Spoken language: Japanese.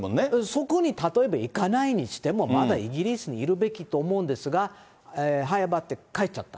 そこにたとえ行かないにしても、まだイギリスにいるべきと思うんですが、ねぇ。